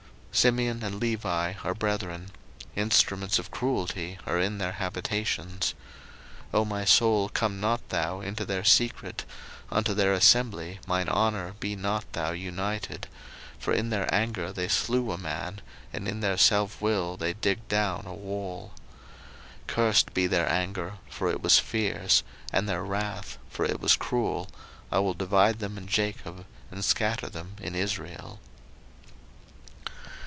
01:049:005 Simeon and Levi are brethren; instruments of cruelty are in their habitations. 01:049:006 O my soul, come not thou into their secret; unto their assembly, mine honour, be not thou united: for in their anger they slew a man, and in their selfwill they digged down a wall. 01:049:007 Cursed be their anger, for it was fierce; and their wrath, for it was cruel: I will divide them in Jacob, and scatter them in Israel.